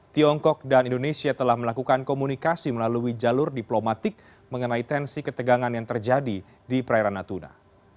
tiongkok dan indonesia telah melakukan komunikasi melalui jalur diplomatik mengenai tensi ketegangan yang terjadi di perairan natuna